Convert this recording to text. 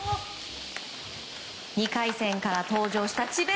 ２回戦から登場した智弁